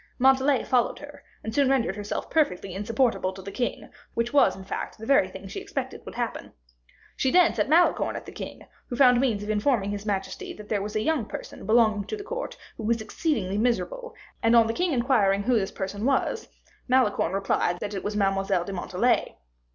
Montalais followed her, and soon rendered herself perfectly insupportable to the king, which was, in fact, the very thing she expected would happen. She then set Malicorne at the king, who found means of informing his majesty that there was a young person belonging to the court who was exceedingly miserable; and on the king inquiring who this person was, Malicorne replied that it was Mademoiselle de Montalais.